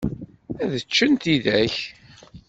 Ad ččen tidak.